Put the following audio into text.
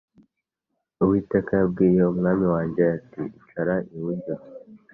Uwiteka yabwiye umwami wanjye ati icara iburyo